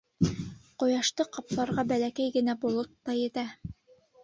Ҡояшты ҡапларға бәләкәй генә болот та етә.